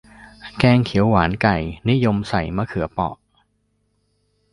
แกงเขียวหวานไก่ นิยมใส่มะเขือเปาะ